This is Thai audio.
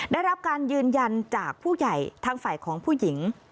ได้รับการยืนยันจากผู้ใหญ่ทางฝ่ายของผู้หญิง